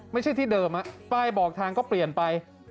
ไม่ใช่ที่เดิมป้ายบอกทางก็เปลี่ยนไป